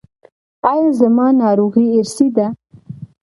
ایا زما ناروغي ارثي ده؟